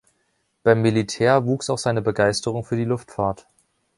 Beim Militär wuchs auch seine Begeisterung für die Luftfahrt.